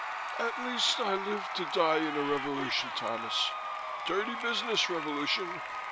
"At least, I lived to die in a revolution, Thomas. Dirty business, revolution.